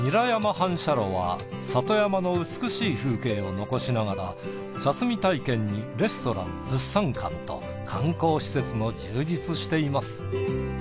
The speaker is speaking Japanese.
反射炉は里山の美しい風景を残しながら茶摘み体験にレストラン物産館と観光施設も充実しています。